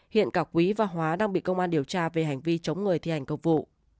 hiện cả quý và hóa đang bị công an điều tra về hành vi chống người thi hành công vụ